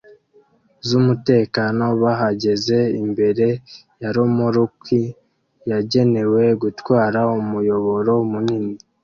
z'umutekano bahagaze imbere ya romoruki yagenewe gutwara umuyoboro munini